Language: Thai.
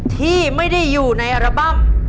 ที่ไม่ได้อยู่ในอัลบั้ม